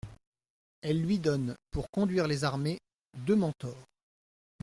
Elle lui donne, pour conduire les armées, deux mentors.